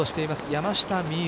山下美夢